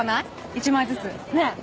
１枚ずつねえ